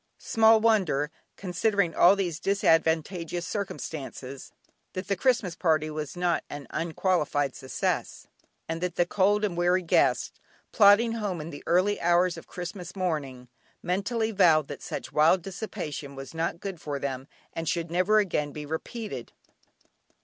Small wonder, considering all these disadvantageous circumstances, that the Christmas party was not an unqualified success, and that the cold and weary guests, plodding home in the early hours of Christmas morning, mentally vowed that such wild dissipation was not good for them and should never again be repeated.